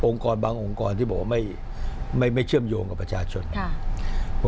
บางองค์กรที่บอกว่าไม่ไม่เชื่อมโยงกับประชาชน